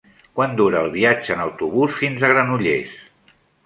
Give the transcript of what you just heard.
Quant dura el viatge en autobús fins a Granollers?